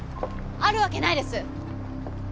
あるわけないです！